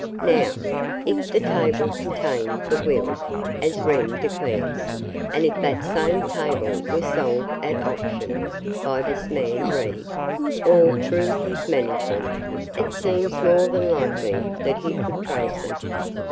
Now, if the table contained the will, as Wren declares, and if that same table was sold at auction, by this man, Reed, or through his management, it seems more than likely that he could trace it."